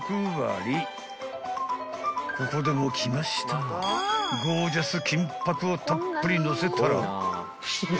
［ここでもきましたゴージャス金箔をたっぷりのせたら］